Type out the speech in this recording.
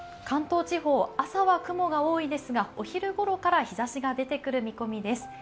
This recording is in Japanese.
関東地方、朝は雲が多いですが、お昼ごろから日ざしが出てくる見込みです。